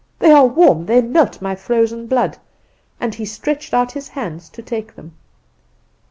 They are warm, they melt my frozen blood!' and he stretched out his hands to take them.